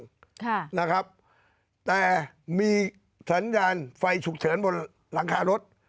มีเครื่องตัดทางค่ะนะครับแต่มีสัญญาณไฟฉุกเฉินบนหลังคารถ